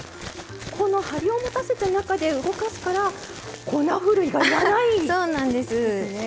このはりをもたせた中で動かすから粉ふるいが要らないんですね。